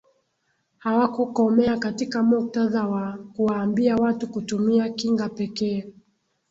hawakukomea katika muktadha wa kuwaambia watu kutumia kinga pekee